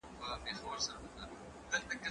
زه هره ورځ کتابتوننۍ سره وخت تېرووم،